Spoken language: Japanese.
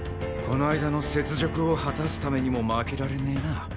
この間の雪辱を果たすためにも負けられねえな。